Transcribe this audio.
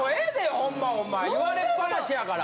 ほんまお前言われっぱなしやから。